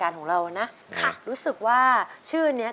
แล้วน้องใบบัวร้องได้หรือว่าร้องผิดครับ